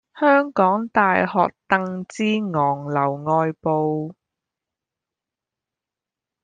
香港大學鄧志昂樓外部